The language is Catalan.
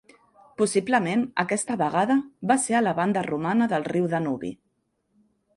Possiblement aquesta vegada va ser a la banda romana del riu Danubi.